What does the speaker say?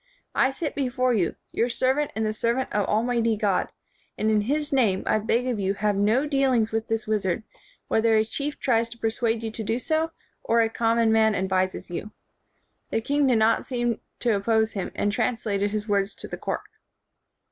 I sit before you, your servant and the servant of Almighty God, and in his name I beg of you have no dealings with this wizard, whether a chief tries to per suade you to do so, or a common man ad vises you." The king did not seem to op pose him, and translated his words to the court.